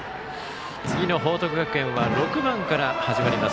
次の報徳学園は６番から始まります。